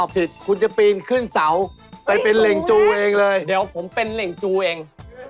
ปีนขึ้นไปบนเหล่งจูเองเป็นเหล่งจูเอง